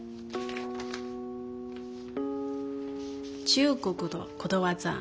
中国のことわざ。